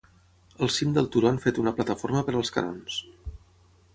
Al cim del turó han fet una plataforma per als canons.